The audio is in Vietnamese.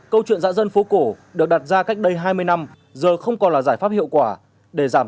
câu chuyện dạ dân phố cổ được đặt ra cách đây hai mươi năm giờ không còn là giải pháp hiệu quả để giảm